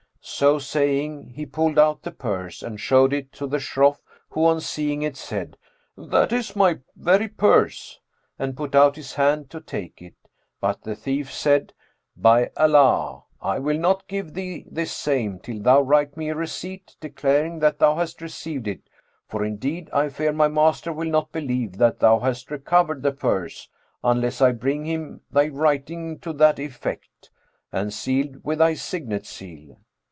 So saying, he pulled out the purse and showed it to the Shroff who on seeing it said, "That is my very purse," and put out his hand to take it; but the thief said, "By Allah, I will not give thee this same, till thou write me a receipt declaring that thou hast received it! for indeed I fear my master will not believe that thou hast recovered the purse, unless I bring him thy writing to that effect, and sealed with thy signet seal."